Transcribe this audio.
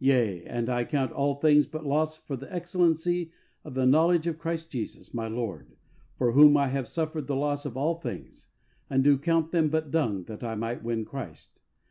Yea, and I count all things but loss for the excellency of the knowledge of Christ Jesus, my Lord, for whom I have suffered the loss of all things, and do count them but dung that I might win Christ.